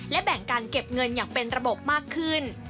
และแบ่งการเก็บเงินอย่างเป็นระบบมากขึ้น